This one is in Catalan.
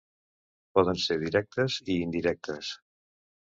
Poden ser directes i indirectes.